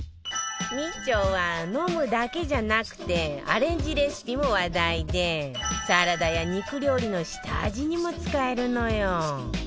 美酢は飲むだけじゃなくてアレンジレシピも話題でサラダや肉料理の下味にも使えるのよ